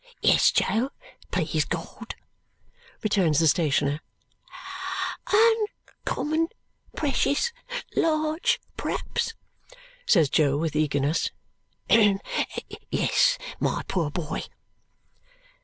"Yes, Jo, please God," returns the stationer. "Uncommon precious large, p'raps?" says Jo with eagerness. "Yes, my poor boy."